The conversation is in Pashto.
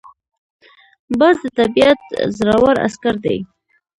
باز د طبیعت زړور عسکر دی